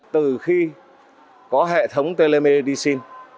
từ khi có hệ thống telemedicine